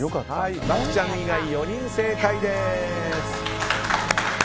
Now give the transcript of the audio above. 漠ちゃん以外４人正解です。